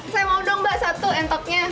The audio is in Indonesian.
saya mau dong mbak satu entoknya